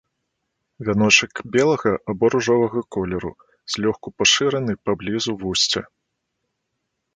Вяночак белага або ружовага колеру, злёгку пашыраны паблізу вусця.